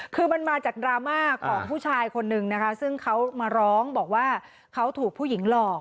คือมันมาจากดราม่าของผู้ชายคนนึงนะคะซึ่งเขามาร้องบอกว่าเขาถูกผู้หญิงหลอก